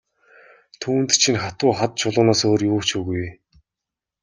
Түүнд чинь хатуу хад чулуунаас өөр юу ч үгүй.